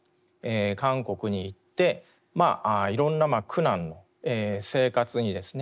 韓国に行っていろんな苦難の生活にですね